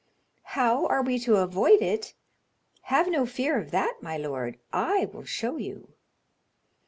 "How are we to avoid it? Have no fear of that, my lord; I will show you."